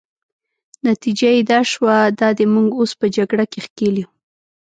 نتیجه يې دا شوه، دا دی موږ اوس په جګړه کې ښکېل یو.